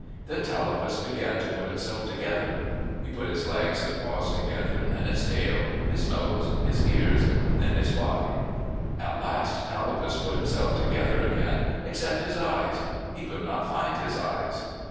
Then Tallapus began to put himself together. He put his legs and paws to gether, then his tail, his nose, his ears, then his body. At last Tallapus put himself together again except his eyes. He could not find his eyes.